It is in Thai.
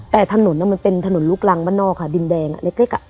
แต่ถนนน่ะมันเป็นถนนลูกรังบ้านนอกค่ะดินแดงอ่ะเล็กเล็กอ่ะ